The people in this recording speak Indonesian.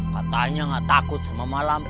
katanya nggak takut sama malam